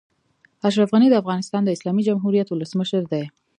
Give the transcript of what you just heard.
اشرف غني د افغانستان د اسلامي جمهوريت اولسمشر دئ.